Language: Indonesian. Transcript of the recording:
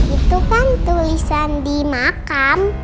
itu kan tulisan dimakan